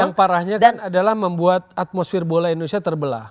yang parahnya kan adalah membuat atmosfer bola indonesia terbelah